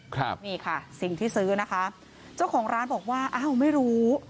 ครับนี่ค่ะสิ่งที่ซื้อนะคะเจ้าของร้านบอกว่าอ้าวไม่รู้